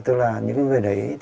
tức là những người đấy